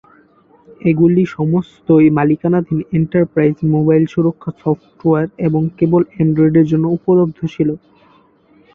এগুলি সমস্তই মালিকানাধীন এন্টারপ্রাইজ মোবাইল সুরক্ষা সফ্টওয়্যার এবং কেবল অ্যান্ড্রয়েডের জন্য উপলব্ধ ছিল।